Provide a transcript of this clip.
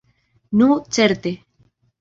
Nu certe!